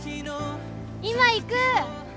今行く！